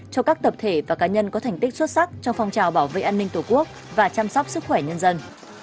cho các tập thể và cá nhân có thành tích xuất sắc trong phong trào bảo vệ an ninh tổ quốc và chăm sóc sức khỏe nhân dân